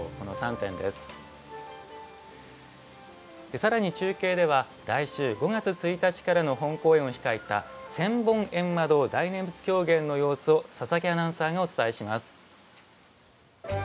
さらに中継では来週５月１日からの本公演を控えた千本ゑんま堂大念仏狂言の様子を佐々木アナウンサーがお伝えします。